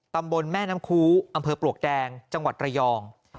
ตำบลแม่น้ำคูอำเภอปลวกแดงจังหวัดระยอง